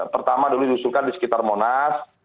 pertama dulu diusulkan di sekitar monas